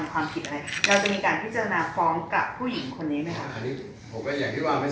เกิดคลีนิกเราไม่ได้มีการจะทำความผิดอะไร